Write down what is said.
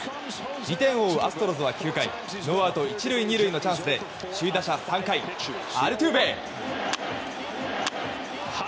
２点を追うアストロズは９回ノーアウト１塁２塁のチャンスで首位打者３回、アルトゥーベ。